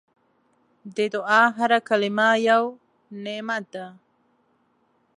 د دعا هره کلمه یو نعمت ده.